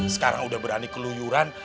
sekarang udah berani keluyuran